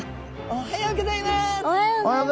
おはようございます。